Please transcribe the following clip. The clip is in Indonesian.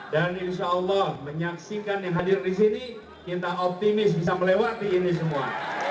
dan insya allah menyaksikan yang hadir di sini kita optimis bisa melewati ini semua